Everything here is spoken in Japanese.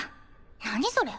何それ？